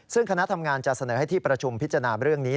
ซึ่งคณะทำงานจะเสนอให้ที่ประชุมพิจารณาเรื่องนี้